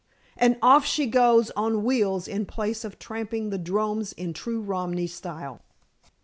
And off she goes on wheels in place of tramping the droms in true Romany style."